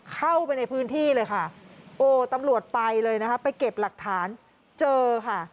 เข้าไปในพื้นที่เลยค่ะโอ้ตำรวจไปเลยนะคะไปเก็บหลักฐานเจอค่ะ